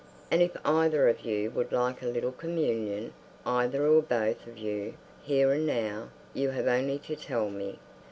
"And if either of you would like a little Communion, either or both of you, here and now, you have only to tell me.